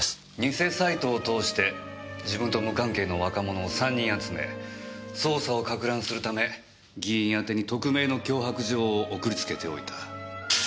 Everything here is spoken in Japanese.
偽サイトを通して自分と無関係の若者を３人集め捜査をかく乱するため議員あてに匿名の脅迫状を送りつけておいた。